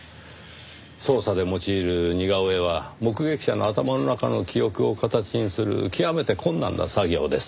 捜査で用いる似顔絵は目撃者の頭の中の記憶を形にする極めて困難な作業です。